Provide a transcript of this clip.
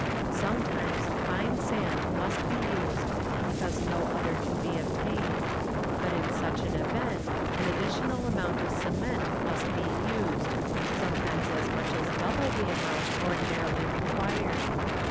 Sometimes fine sand must be used, be cause no other can be obtained; hut in such an event an additional amount of cement must be used ŌĆö sometimes as much as double the amount ordinarily required.